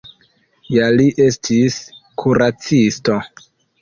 Ja li estis kuracisto.